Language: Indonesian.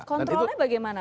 kontrolnya bagaimana pak